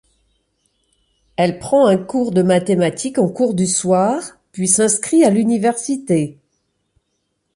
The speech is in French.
Elle prend un cours de mathématiques en cours du soir, puis s'inscrit à l'université.